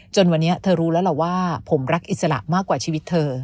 วันนี้เธอรู้แล้วล่ะว่าผมรักอิสระมากกว่าชีวิตเธอ